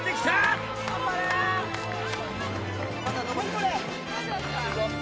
これ。